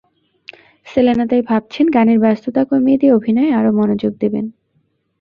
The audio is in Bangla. সেলেনা তাই ভাবছেন, গানের ব্যস্ততা কমিয়ে দিয়ে অভিনয়ে আরও মনোযোগ দেবেন।